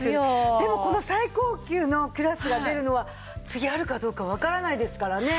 でもこの最高級のクラスが出るのは次あるかどうかわからないですからね。